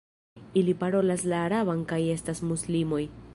Ili parolas la araban kaj estas muslimoj.